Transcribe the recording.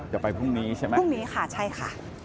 จะไปพรุ่งนี้ใช่ไหมพรุ่งนี้ค่ะใช่ค่ะ